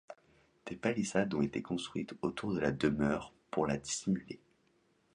Des palissades ont été construites autour de la demeure pour la dissimuler.